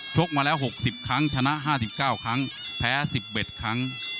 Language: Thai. กมาแล้ว๖๐ครั้งชนะ๕๙ครั้งแพ้๑๑ครั้ง